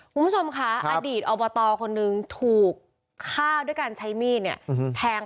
คุณผู้ชมค่ะอดีตอบตคนนึงถูกฆ่าด้วยการใช้มีดเนี่ยแทง